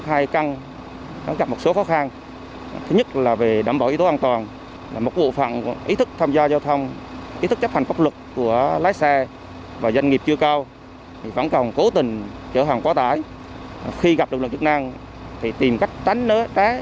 khi gặp lực lượng chức năng thì tìm cách tránh nó